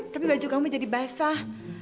tapi baju kamu jadi basah